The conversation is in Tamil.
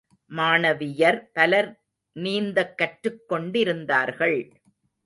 மாணவியர் பலர் நீந்தக் கற்றுக்கொண்டிருந்தார்கள்.